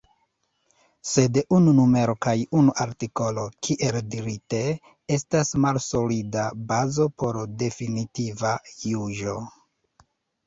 Sed unu numero kaj unu artikolo, kiel dirite, estas malsolida bazo por definitiva juĝo.